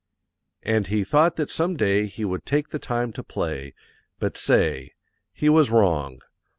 And he thought that some day he would take the time to play; but, say HE WAS WRONG.